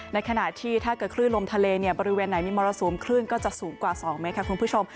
ในขณะที่ถ้าเกิดคลื่นลมทะเลเนี่ยบริเวณไหนมีมรสุมคลื่นก็จะสูงกว่า๒เมตรค่ะคุณผู้ชม